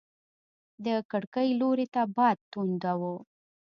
د کړکۍ لوري ته باد تونده و.